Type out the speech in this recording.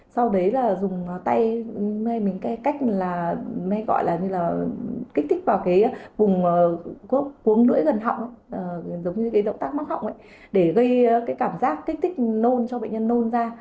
sau đấy là dùng tay mê mình cách gọi là kích thích vào vùng cuống nưỡi gần họng giống như động tác mắt họng để gây cảm giác kích thích nôn cho bệnh nhân nôn ra